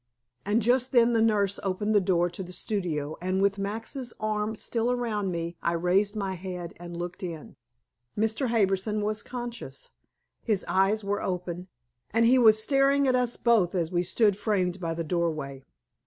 And just then the nurse opened the door to the studio, and with Max's arm still around me, I raised my head and looked in. Mr. Harbison was conscious. His eyes were open, and he was staring at us both as we stood framed by the doorway.